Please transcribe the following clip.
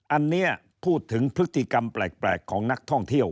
อันนี้พูดถึงพฤติกรรมแปลกของนักท่องเที่ยว